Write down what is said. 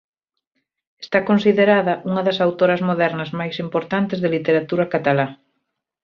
Está considerada unha das autoras modernas máis importantes de literatura catalá.